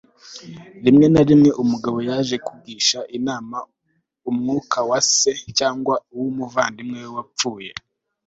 rimwe na rimwe, umugabo yaje kugisha inama umwuka wa se cyangwa umuvandimwe we wapfuye